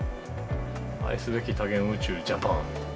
愛すべき多元宇宙ジャパン。